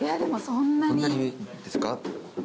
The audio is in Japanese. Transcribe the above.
そんなにですか。